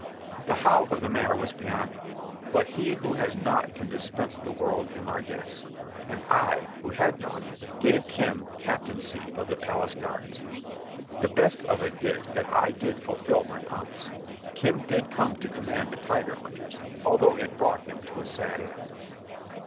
The how of the matter was beyond me. But he who has naught can dispense the world in largess; and I, who had naught, gave Kim captaincy of the palace guards. The best of it is that I did fulfil my promise. Kim did come to command the Tiger Hunters, although it brought him to a sad end.